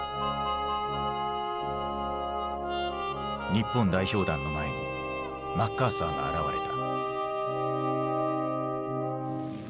日本代表団の前にマッカーサーが現れた。